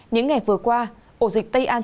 những ngày vừa qua ổ dịch tây an